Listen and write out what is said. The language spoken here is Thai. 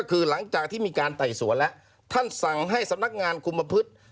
คือหลังจากที่มีการไต่สวนแล้วท่านสั่งให้สำนักงานคุมประพฤติ